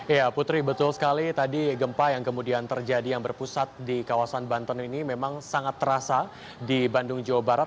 ya putri betul sekali tadi gempa yang kemudian terjadi yang berpusat di kawasan banten ini memang sangat terasa di bandung jawa barat